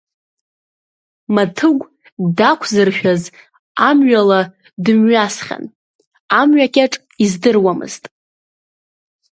Маҭыгә дақәзыршәоз амҩала дымҩасхьан, амҩакьаҿ издыруамызт.